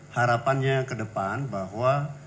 harapannya ke depan bahwa